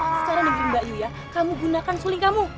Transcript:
secara negeri mbak yuya kamu gunakan suling kamu